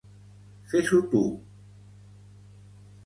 Fes-ho tu.